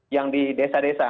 yang di desa desa